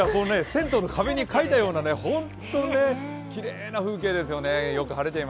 銭湯の壁に描いたような本当にきれいな風景です。